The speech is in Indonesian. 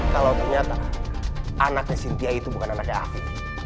kalau ternyata anaknya cynthia itu bukan anaknya afif